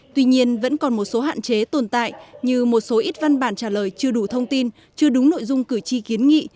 tuy nhiên vẫn còn một số hạn chế tồn tại như một số ít văn bản trả lời chưa đủ thông tin chưa đúng nội dung cử tri kiến nghị